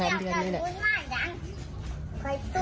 ครับ